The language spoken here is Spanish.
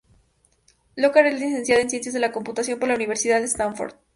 Lockhart es licenciada en Ciencias de la Computación por la Universidad de Stanford.